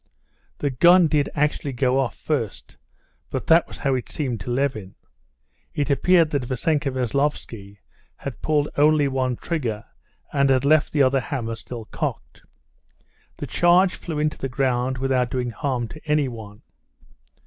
The gun did actually go off first, but that was how it seemed to Levin. It appeared that Vassenka Veslovsky had pulled only one trigger, and had left the other hammer still cocked. The charge flew into the ground without doing harm to anyone.